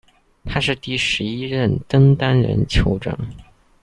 他是第十一任登丹人酋长。